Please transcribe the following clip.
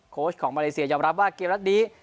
โค้ชของมาเลเซียยอมรับว่าเกมนัดนี้